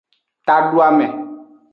Taduame.